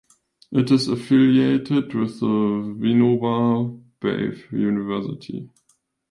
It is affiliated with the Vinoba Bhave University.